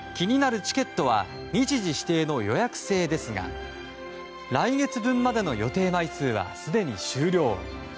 気になるチケットは日時指定の予約制ですが来月分までの予定枚数はすでに終了。